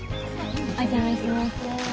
お邪魔します。